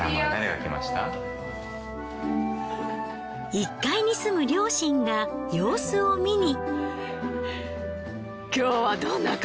１階に住む両親が様子を見に。